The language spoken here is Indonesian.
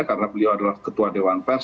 karena beliau adalah ketua dewan pes